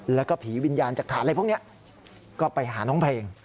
แล้วก็ผีวิญญาณจากฐานอะไรพวกนี้ก็ไปหาน้องเพลง